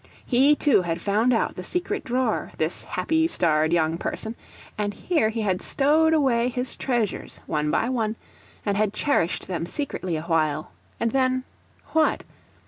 He too had found out the secret drawer, this happy starred young person; and here he had stowed away his treasures, one by one, and had cherished them secretly awhile; and then what?